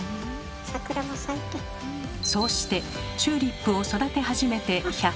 そうしてチューリップを育て始めて１０７日目。